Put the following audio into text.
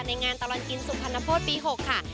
ในงานตลอดกินสุพันธ์นโภษปี๖ค่ะ